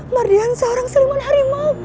mardian seorang seliman harimau